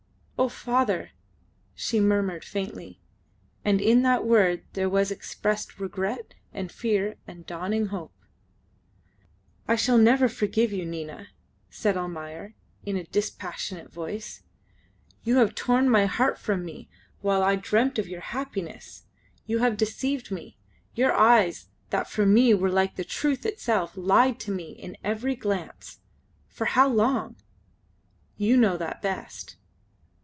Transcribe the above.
"Oh, father!" she murmured faintly, and in that word there was expressed regret and fear and dawning hope. "I shall never forgive you, Nina," said Almayer, in a dispassionate voice. "You have torn my heart from me while I dreamt of your happiness. You have deceived me. Your eyes that for me were like truth itself lied to me in every glance for how long? You know that best.